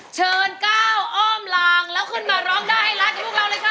เชิญก้าวอ้อมลางแล้วขึ้นมาร้องได้ให้ร้านกับพวกเราเลยค่ะ